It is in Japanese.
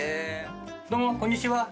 どうもこんにちは。